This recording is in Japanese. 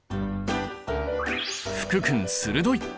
福君鋭い！